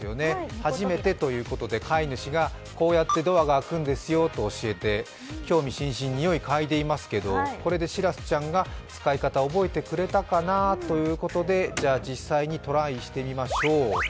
初めてということで飼い主がこうやってドアが開くんですよと教えて興味津々、匂いかいでいますけれども、これでしらすちゃんが使い方、覚えてくれたかなということでじゃあ実際にトライしてみましょう。